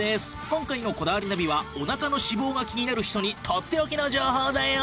今回の『こだわりナビ』はおなかの脂肪が気になる人にとっておきの情報だよ！